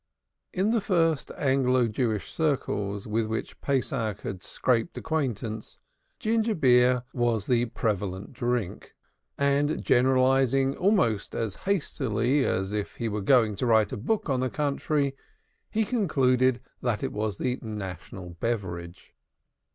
In the first Anglo Jewish circles with which Pesach had scraped acquaintance, ginger beer was the prevalent drink; and, generalizing almost as hastily as if he were going to write a book on the country, he concluded that it was the national beverage.